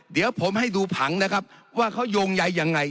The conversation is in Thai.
เดี๋ยวผมให้ดูผังนะครับว่าเขาโยงใยยังไง